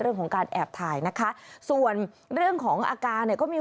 เรื่องของการแอบถ่ายนะคะส่วนเรื่องของอาการเนี่ยก็มี